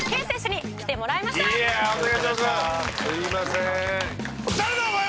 すいません。